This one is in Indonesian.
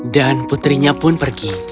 dan putrinya pun pergi